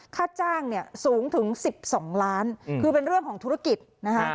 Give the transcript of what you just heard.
ค่าจ้างเนี่ยสูงถึง๑๒ล้านคือเป็นเรื่องของธุรกิจนะคะ